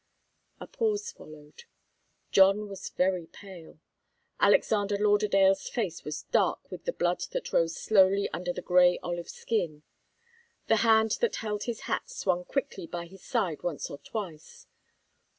A pause followed. John was very pale. Alexander Lauderdale's face was dark with the blood that rose slowly under the grey olive skin. The hand that held his hat swung quickly by his side once or twice.